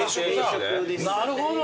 なるほど！